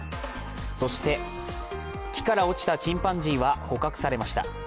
そして、木から落ちたチンパンジーは捕獲されました。